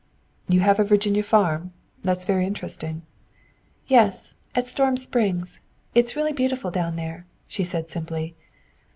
"You have a Virginia farm? That is very interesting." "Yes; at Storm Springs. It's really beautiful down there," she said simply.